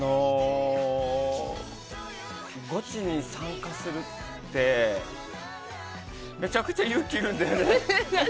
ゴチに参加するって、めちゃくちゃ勇気いるんだよね。